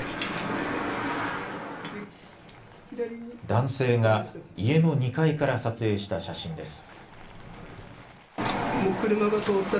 男性が家の２階から撮影した写真です。